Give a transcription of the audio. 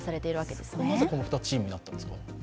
なぜこの２チームになったんですか？